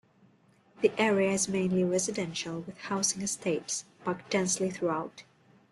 The area is mainly residential with housing estates packed densely throughout.